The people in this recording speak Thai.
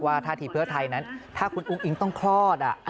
ท่าทีเพื่อไทยนั้นถ้าคุณอุ้งอิงต้องคลอด